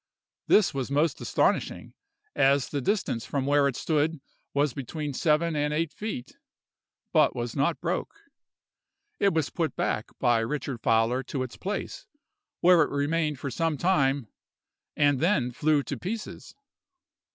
This was most astonishing, as the distance from where it stood was between seven and eight feet, but was not broke. It was put back by Richard Fowler to its place, where it remained some time, and then flew to pieces.